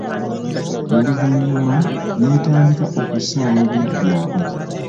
Oluvannyuma n'etandika okusaawa ebintu byabwe.